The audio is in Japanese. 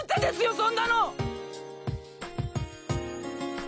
そんなの！